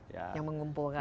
yang mengumpulkan untuk semua